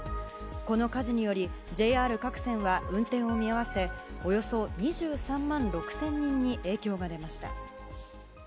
この火事により、ＪＲ各線は運転を見合わせおよそ２３万６０００人に影響が出ました。